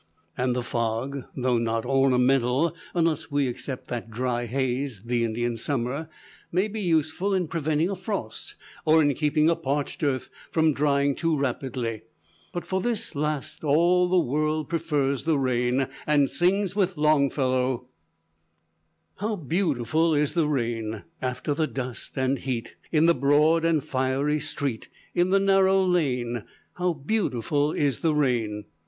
And the fog, though not ornamental unless we except that dry haze, the Indian summer may be useful in preventing a frost, or in keeping a parched earth from drying too rapidly. But for this last, all the world prefers the rain, and sings with Longfellow: [Illustration: SPECTER OF THE BROCKEN.] "How beautiful is the rain! After the dust and heat, In the broad and fiery street, In the narrow lane, How beautiful is the rain!